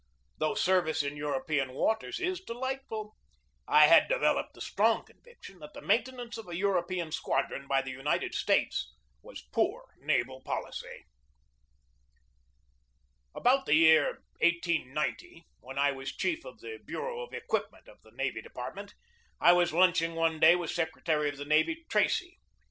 Though service in European waters is delightful, I had developed the strong conviction that the maintenance of a Euro pean squadron by the United States was poor naval policy. BUILDING THE NEW NAVY 161 About the year 1890, when I was chief of the bureau of equipment of the Navy Department, I was lunching one day with Secretary of the Navy Tracy.